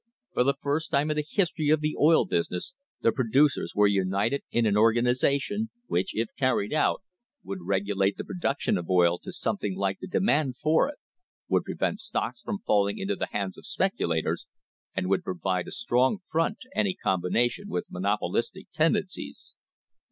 For the first time in the history of the oil business the pro ducers were united in an organisation, which, if carried out, would regulate the production of oil to something like the demand for it, would prevent stocks from falling into the hands of speculators, and would provide a strong front to any combination with monopolistic tendencies.